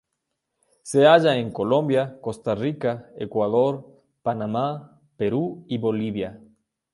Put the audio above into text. Se halla en Colombia, Costa Rica, Ecuador, Panamá, Perú y Bolivia.